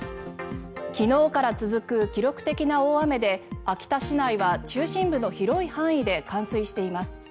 昨日から続く記録的な大雨で秋田市内は中心部の広い範囲で冠水しています。